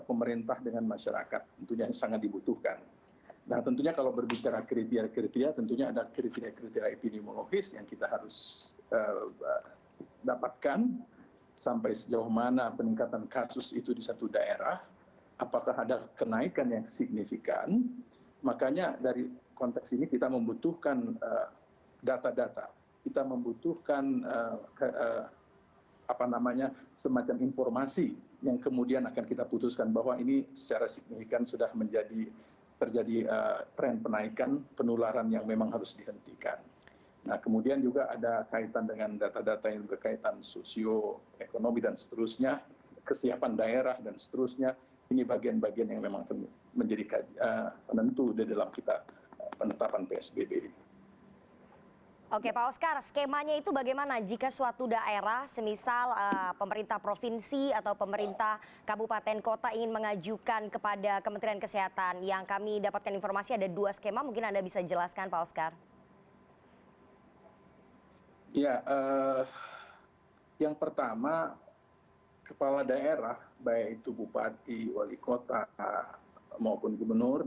pembatasan sosial berskala besar